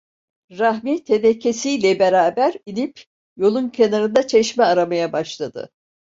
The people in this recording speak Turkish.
Rahmi tenekesiyle beraber inip yolun kenarında çeşme aramaya başladı.